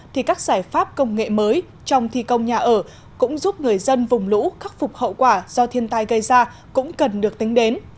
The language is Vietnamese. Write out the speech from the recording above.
thì các giải pháp công nghệ mới trong thi công nhà ở cũng giúp người dân vùng lũ khắc phục hậu quả do thiên tai gây ra cũng cần được tính đến